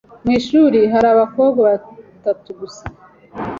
Mu ishuri hari abakobwa batatu gusa.